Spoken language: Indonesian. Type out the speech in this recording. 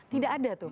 tidak ada tuh